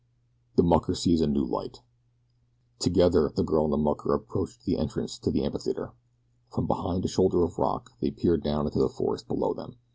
THE MUCKER SEES A NEW LIGHT TOGETHER the girl and the mucker approached the entrance to the amphitheater. From behind a shoulder of rock they peered down into the forest below them.